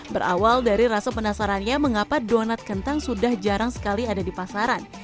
berawal dari rasa penasarannya mengapa donat kentang sudah jarang sekali ada di pasaran